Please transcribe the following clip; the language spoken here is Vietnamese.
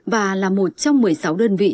và là một trong một mươi sáu đơn vị